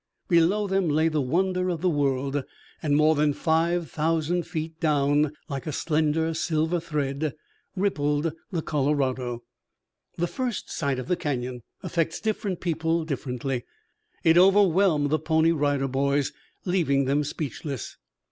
Below them lay the wonder of the world, and more than five thousand feet down, like a slender silver thread, rippled the Colorado. The first sight of the Canyon affects different persons differently. It overwhelmed the Pony Rider Boys, leaving them speechless.